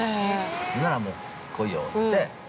ほんなら、もう来いよって。